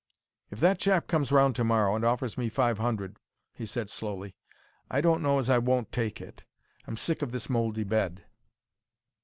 "If that chap comes round to morrow and offers me five hundred," he said, slowly, "I don't know as I won't take it. I'm sick of this mouldy bed."